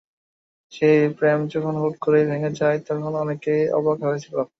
সেই প্রেম যখন হুট করেই ভেঙে যায় তখন অনেকেই অবাক হয়েছিল।